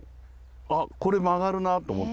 あっこれ曲がるなと思って。